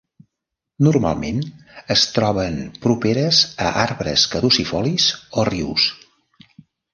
Normalment es troben properes a arbres caducifolis o rius.